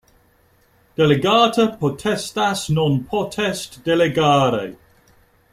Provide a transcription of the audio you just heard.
Delegata potestas non potest delegari.